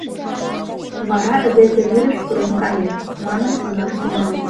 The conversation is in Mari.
Вара, рвезе вӱдыш пурен каен, манын ойлаш тӱҥалыт...